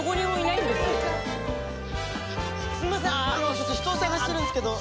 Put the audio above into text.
ちょっと人を捜してるんですけど。